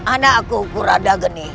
anak aku kura dageni